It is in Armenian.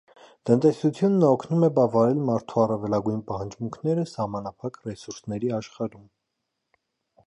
Տնտեսությունը օգնում է բավարարել մարդու առավելագույն պահանջմունքները սահմանափակ ռեսուրսների աշխարհում։